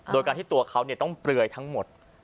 โดยการที่ตัวเขาต้องเปลือยทั้งหมด